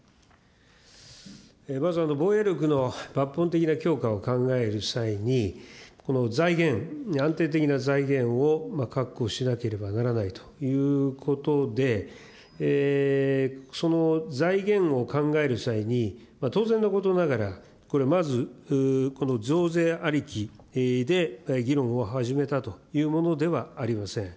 まず防衛力の抜本的な強化を考える際に、この財源、安定的な財源を確保しなければならないということで、その財源を考える際に、当然のことながら、これ、まずこの増税ありきで議論を始めたというものではありません。